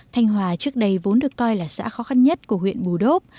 thanh hòa trước đây vốn được coi là xã khó khăn nhất của huyện bù đốp